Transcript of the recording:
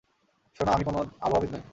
সোনা, আমি কোনো আবহাওয়াবীদ নই!